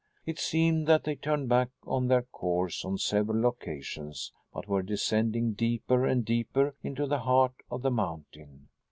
It seemed that they turned back on their course on several occasions but were descending deeper and deeper into the heart of the mountain.